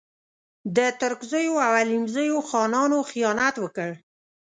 د ترکزیو او حلیمزیو خانانو خیانت وکړ.